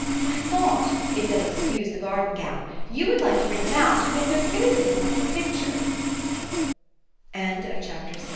I thought if they'll excuse the garden gown you would like to bring them out, and get their criticism upon the pict